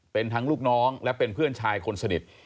เป็นทั้งลูกน้องและเป็นเพื่อนชายคนสนิท